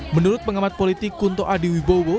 menurut pengamat politik kunto adi wibowo